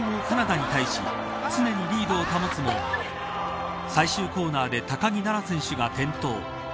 カナダに対し常にリードを保つも最終コーナーで高木菜那選手が転倒。